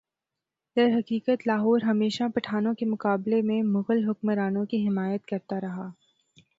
درحقیقت لاہور ہمیشہ پٹھانوں کے مقابلہ میں مغل حکمرانوں کی حمایت کرتا رہا